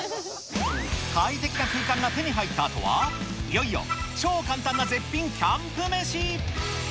快適な空間が手に入ったあとは、いよいよ超簡単な絶品キャンプ飯。